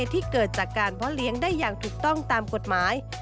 ที่เกิดจากการเพาะเลี้ยงได้อย่างถูกต้องตามกฎหมาย